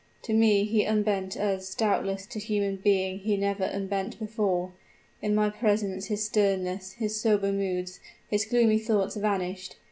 To me he unbent as, doubtless, to human being he never unbent before; in my presence his sternness, his somber moods, his gloomy thoughts vanished.